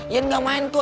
jan gak main kok